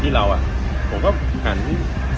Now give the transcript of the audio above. พวกเราอยู่นั่งเต็มรูปคืนหลายใครก็ไม่เห็น